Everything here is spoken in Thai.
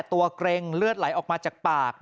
เกร็งเลือดไหลออกมาจากปาก